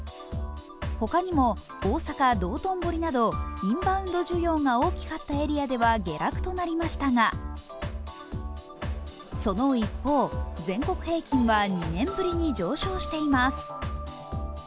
ほかにも大阪・道頓堀などインバウンド需要が大きかったエリアでは下落となりましたが、その一方、全国平均は２年ぶりに上昇しています。